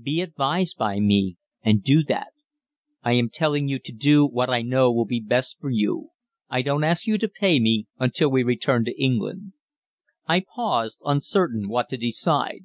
Be advised by me, and do that. I am telling you to do what I know will be best for you. I don't ask you to pay me until we return to England." I paused, uncertain what to decide.